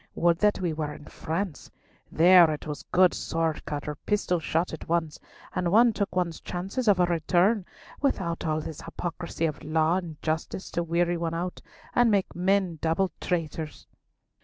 Would that we were in France! There it was a good sword cut or pistol shot at once, and one took one's chance of a return, without all this hypocrisy of law and justice to weary one out and make men double traitors."